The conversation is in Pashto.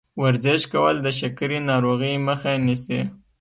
ورزش کول د شکرې ناروغۍ مخه نیسي.